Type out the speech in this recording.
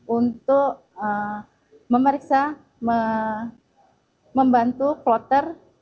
untuk memeriksa membantu kloter